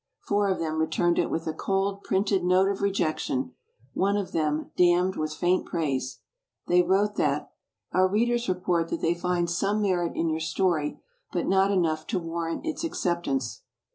Four of them returned it with a cold, printed note of rejection; one of them "damned with faint praise." They wrote that "Our readers report that they find some merit in your story, but not enough to warrant its accept ance."